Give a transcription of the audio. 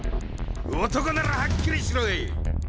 男ならはっきりしろい！